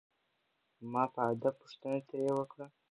ما په ادب پوښتنه ترې وکړه.